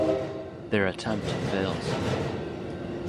Their attempt fails.